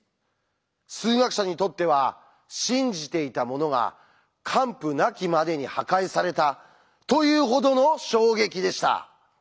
数学者にとっては信じていたものが完膚なきまでに破壊されたというほどの衝撃でした。